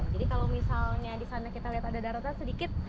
jadi kalau misalnya di sana kita lihat ada daratan sedikit